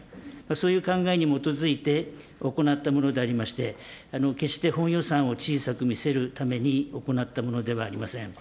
そういう考えに基づいて行ったものでありまして、決して本予算を小さく見せるために行ったものではありません。